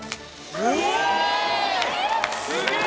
うわ！